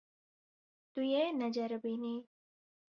Tu yê neceribînî.